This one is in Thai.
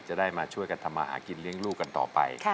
จะได้มาช่วยกันทำมาหากินเลี้ยงลูกกันต่อไป